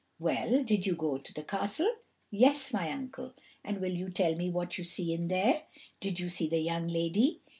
"Well, did you go to the castle?" "Yes, my uncle." "And will you tell me what you see in there? Did you see the young lady?"